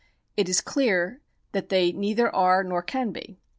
It is clear that they neither are nor can be.